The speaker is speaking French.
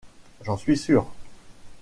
J’en suis sûr.